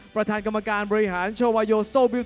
ประธานกรรมการบริหารโชวาโยโซบิก